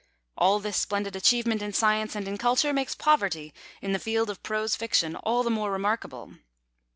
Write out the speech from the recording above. All this splendid achievement in science and in culture makes poverty in the field of prose fiction all the more remarkable.